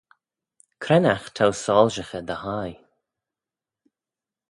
Cre'n aght t'ou soilshaghey dty hie?